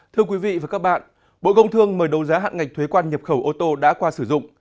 thưa quý vị và các bạn bộ công thương mời đấu giá hạn ngạch thuế quan nhập khẩu ô tô đã qua sử dụng